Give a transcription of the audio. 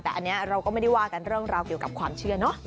แต่อันนี้เราก็ไม่ได้ว่ากันเรื่องราวเกี่ยวกับความเชื่อเนอะ